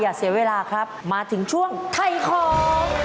เสียเวลาครับมาถึงช่วงไทยของ